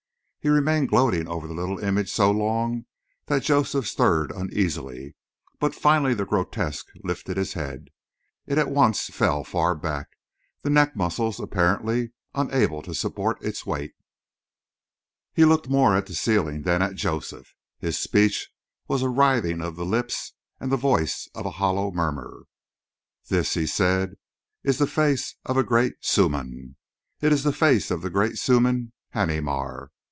He remained gloating over the little image so long that Joseph stirred uneasily; but finally the grotesque lifted his head. It at once fell far back, the neck muscles apparently unable to support its weight. He looked more at the ceiling than at Joseph. His speech was a writhing of the lips and the voice a hollow murmur. "This," he said, "is the face of a great suhman. It is the face of the great suhman, Haneemar.